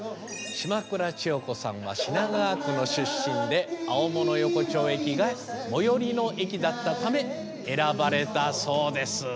島倉千代子さんは品川区の出身で青物横丁駅が最寄りの駅だったため選ばれたそうです。